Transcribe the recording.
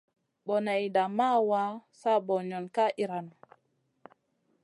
Boneyda ma wa, sa banion ka iyranou.